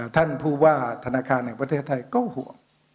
ท่านผู้ว่าธนาคารแห่งประเทศไทยก็ห่วง